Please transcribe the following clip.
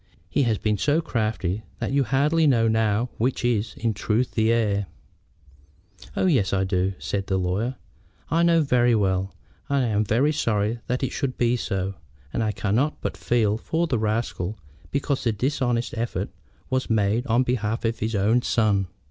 He has been so crafty that you hardly know now which is, in truth, the heir." "Oh yes, I do," said the lawyer. "I know very well, and am very sorry that it should be so. And I cannot but feel for the rascal because the dishonest effort was made on behalf of his own son."